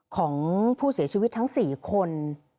ของผู้เสียชีวิตทั้ง๔คน